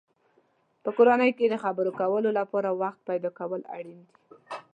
په کورنۍ کې د خبرو کولو لپاره وخت پیدا کول اړین دی.